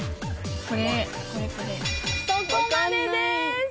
そこまでです。